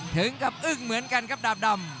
ถึงกับอึ้งเหมือนกันครับดาบดำ